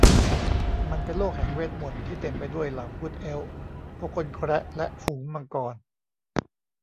มันเป็นโลกแห่งเวทมนตร์ที่เต็มไปด้วยเหล่าภูตเอลฟ์ พวกคนแคระและฝูงมังกร